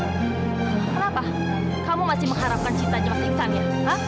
kenapa kamu masih mengharapkan cintanya mas ihsan ya